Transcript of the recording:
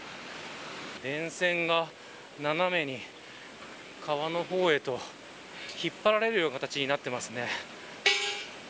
電線が斜めに川の方へと引っ張られる形になっていますね。